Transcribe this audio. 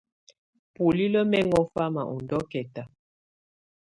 Bulilǝ́ mɛ ŋɔ fama ɔ ndɔ́kɛta.